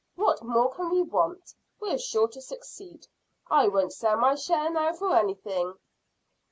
What more can we want? We're sure to succeed. I won't sell my share now for anything."